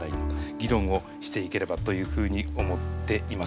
議論をしていければというふうに思っています。